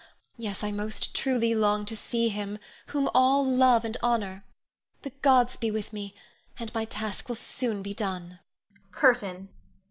Yes, I most truly long to see him whom all love and honor. The gods be with me, and my task will soon be done. CURTAIN.